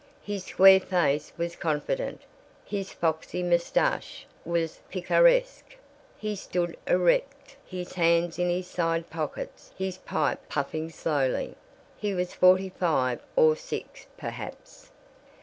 His square face was confident, his foxy mustache was picaresque. He stood erect, his hands in his side pockets, his pipe puffing slowly. He was forty five or six, perhaps.